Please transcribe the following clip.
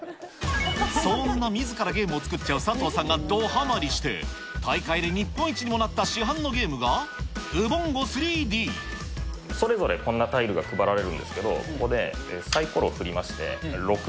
そんなみずからゲームを作っちゃう佐藤さんがどはまりして、大会で日本一にもなった市販のゲームが、それぞれこんなタイルが配られるんですけれども、ここでサイコロを振りまして、６。